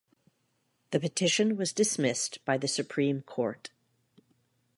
The petition was dismissed by the Supreme Court.